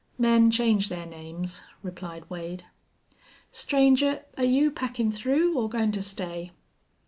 "Men change their names," replied Wade. "Stranger, air you packin' through or goin' to stay?"